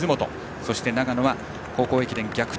そして長野は高校駅伝逆転